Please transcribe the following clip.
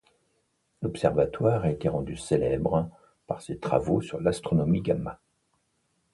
L'observatoire a été rendu célèbre par ses travaux sur l'astronomie gamma.